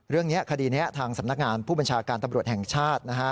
คดีนี้ทางสำนักงานผู้บัญชาการตำรวจแห่งชาตินะฮะ